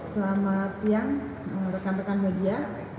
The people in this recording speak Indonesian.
selamat siang rekan rekan media